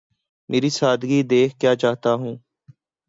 مری سادگی دیکھ کیا چاہتا ہوں